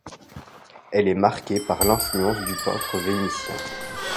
Elle est marquée par l'influence du peintre vénitien.